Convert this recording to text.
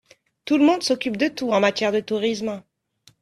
Tout le monde s’occupe de tout en matière de tourisme.